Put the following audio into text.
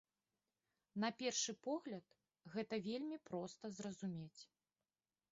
На першы погляд, гэта вельмі проста зразумець.